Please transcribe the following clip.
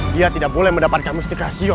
dia tidak boleh mendapatkan mustika xion